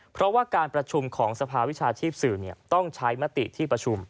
เพราะว่าการประชุมของสภาวิชาชีพสื่อต้องใช้มติที่ประชุม